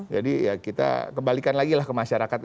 jadi ya kita kembalikan lagi lah ke masyarakat